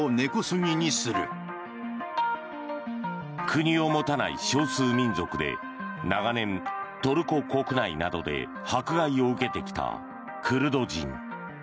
国を持たない少数民族で長年、トルコ国内などで迫害を受けてきたクルド人。